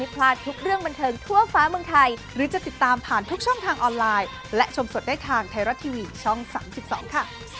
เพื่อบรรเทิร์นบรรเทิร์นไทยรัก